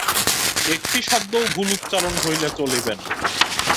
একটি শব্দও ভুল উচ্চারণ হইলে চলিবে না।